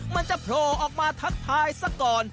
มันจะโผล่ออกมาทักทายซะก่อน